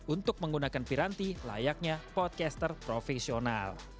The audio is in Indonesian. untuk menggunakan piranti layaknya podcaster profesional